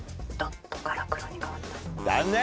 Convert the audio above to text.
残念！